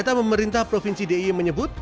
kota pemerintah provinsi d i menyebut